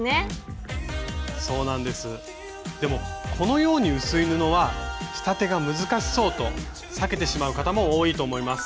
でもこのように薄い布は仕立てが難しそうと避けてしまう方も多いと思います。